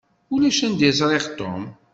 Ulac anda i ẓṛiɣ Tom.